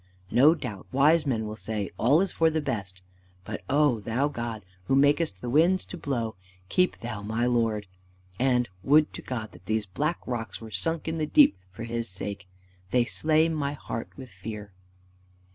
No doubt wise men will say, 'All is for the best.' But, oh Thou God, who makest the winds to blow, keep Thou my lord! And would to God that these black rocks were sunk in the deep for his sake! They slay my heart with fear."